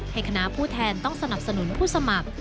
คณะผู้แทนต้องสนับสนุนผู้สมัคร